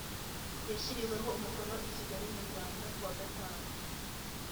yashyiriweho umukono i kigali mu rwanda kuwa gatanu